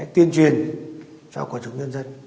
tuyên truyền cho quân chủ nhân dân